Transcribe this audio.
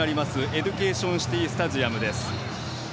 エデュケーション・シティスタジアムです。